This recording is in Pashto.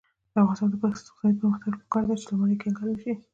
د افغانستان د اقتصادي پرمختګ لپاره پکار ده چې شتمني کنګل نشي.